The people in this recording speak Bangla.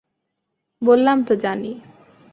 বললাম তো জানি!